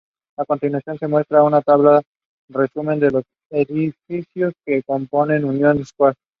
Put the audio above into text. Three engravings based on this painting are known.